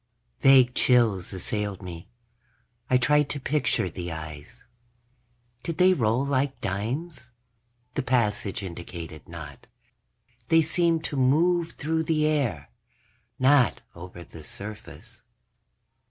_ Vague chills assailed me. I tried to picture the eyes. Did they roll like dimes? The passage indicated not; they seemed to move through the air, not over the surface.